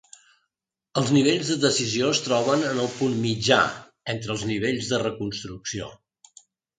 Els nivells de decisió es troben en el punt mitjà entre els nivells de reconstrucció.